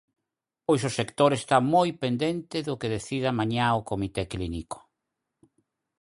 Pois o sector está moi pendente do que decida mañá o comité clínico.